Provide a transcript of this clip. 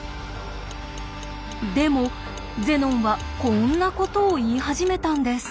でもゼノンはこんなことを言い始めたんです。